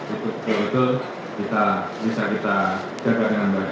itu itu bisa kita jaga dengan baik